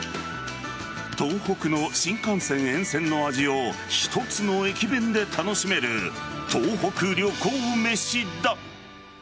東北の新幹線沿線の味を一つの駅弁で楽しめる東北旅行めしだ。